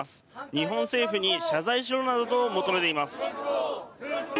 日本政府に、謝罪しろなどと求めています。